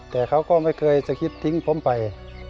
แต่เขาก็ไม่เคยจะคิดทิ้งผมไป